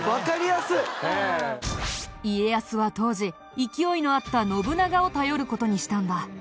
家康は当時勢いのあった信長を頼る事にしたんだ。